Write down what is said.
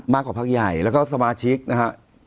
มากกว่าพักใหญ่แล้วก็สมาชิกนะฮะ